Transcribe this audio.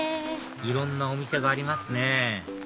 いろんなお店がありますね